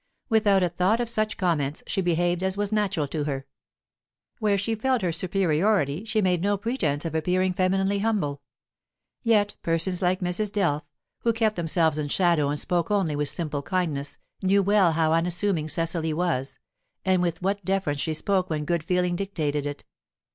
Without a thought of such comments, she behaved as was natural to her. Where she felt her superiority, she made no pretence of appearing femininely humble. Yet persons like Mrs. Delph, who kept themselves in shadow and spoke only with simple kindness, knew well how unassuming Cecily was, and with what deference she spoke when good feeling dictated it.